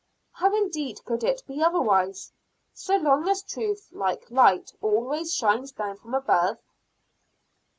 How indeed could it be otherwise, so long as truth like light always shines down from above?